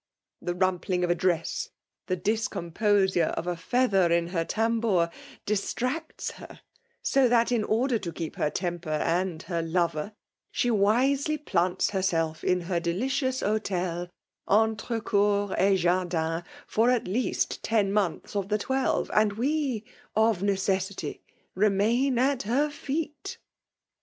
The rumpling of a dress, the discom posiire of a feather in her tambour, distracts ' her; so that, in order to keep her temper and her lover, she wisely plants herself in her delicious hotel entre dour et jar din, for at least tell months of the twelve ;— and we, of neces sify, temain at her feet."